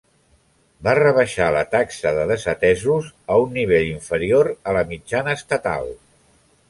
Va rebaixar la taxa de desatesos a un nivell inferior a la mitjana estatal.